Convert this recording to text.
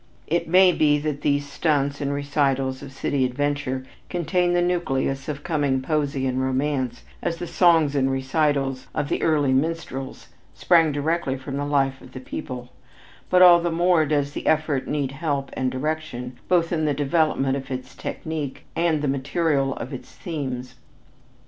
It may be that these "stunts" and recitals of city adventure contain the nucleus of coming poesy and romance, as the songs and recitals of the early minstrels sprang directly from the life of the people, but all the more does the effort need help and direction, both in the development of its technique and the material of its themes.